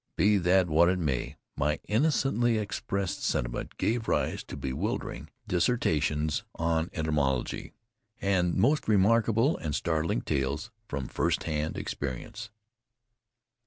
Be that as it may, my innocently expressed sentiment gave rise to bewildering dissertations on entomology, and most remarkable and startling tales from first hand experience.